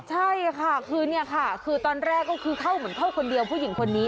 ใช่ค่ะคือตอนแรกเข้าเหมือนเข้าคนเดียวผู้หญิงคนนี้